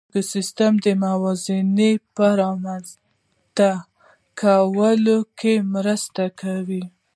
ایکوسېسټم د موازنې په رامنځ ته کولو کې مرسته وکړه.